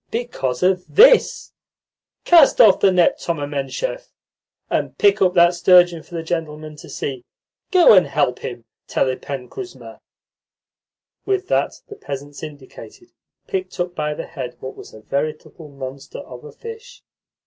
"Because of THIS. Cast off the net, Thoma Menshov, and pick up that sturgeon for the gentleman to see. Go and help him, Telepen Kuzma." With that the peasants indicated picked up by the head what was a veritable monster of a fish.